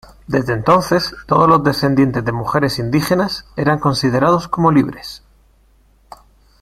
Desde entonces todos los descendientes de mujeres indígenas eran considerados como libres.